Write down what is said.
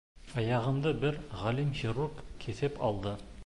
Аяғымды бер ғалим хирург киҫеп алды.